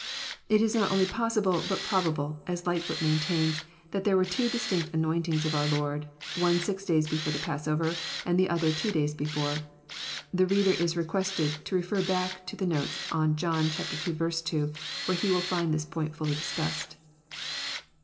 It is not only possible, but probable, as Lightfoot maintains, that there were two distinct anointings of our Lord, one six days before the passover, and the other two days before. [The reader is requested to refer back to the notes on John ii. 2, where he will find this point fully discussed.